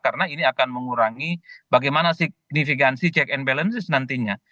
karena ini akan mengurangi bagaimana signifikansi check and balances nantinya